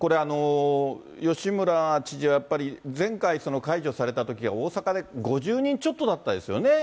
吉村知事、やっぱり前回、解除されたときが大阪で５０人ちょっとだったんですよね。